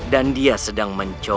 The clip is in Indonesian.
nanti aku bisa hidup connect